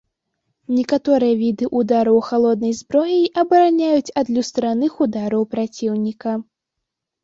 Некаторыя віды ўдараў халоднай зброяй абараняюць ад люстраных удараў праціўніка.